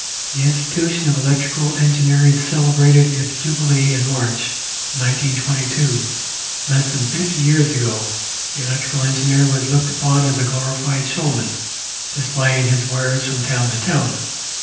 The Institution of Electrical Engineers celebrated its Jubilee in March, 1922; less than fifty years ago the electrical engineer was looked upon as a glorified showman, displaying his wares from town to town.